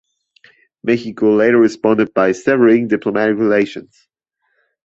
Mexico later responded by severing diplomatic relations.